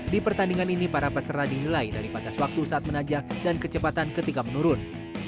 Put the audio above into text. di pertandingan ini para peserta dinilai dari batas waktu saat menanjak dan kecepatan ketika menurun